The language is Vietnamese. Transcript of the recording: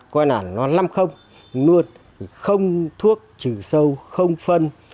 coi nào nó lăm không nuốt không thuốc trừ sâu không phân